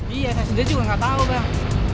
iya saya sendiri juga gak tau bang